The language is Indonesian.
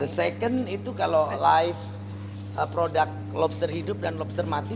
second itu kalau live produk lobster hidup dan lobster mati